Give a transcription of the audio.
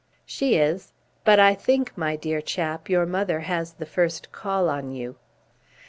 "She is. But I think, my dear chap, your mother has the first call on you."